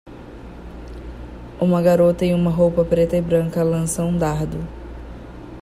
Uma garota em uma roupa preta e branca lança um dardo